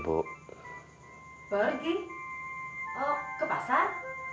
bay parkinsial teman